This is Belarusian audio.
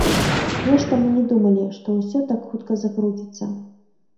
Нешта мы не думалі, што ўсё так хутка закруціцца.